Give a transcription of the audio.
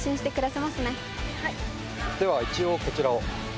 では一応こちらを。